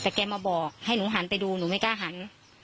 แต่แกมาบอกให้หนูหันไปดูหนูไม่กล้าหัน